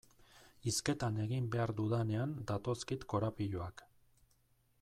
Hizketan egin behar dudanean datozkit korapiloak.